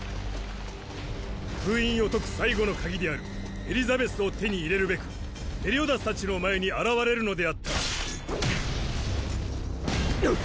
封印を解く最後の鍵であるエリザベスを手に入れるべくメリオダスたちの前に現れるのであったふん！